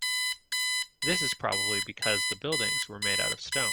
This is probably because the buildings were made out of stone.